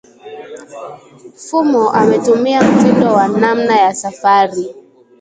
Fumo ametumia mtindo wa namna ya safari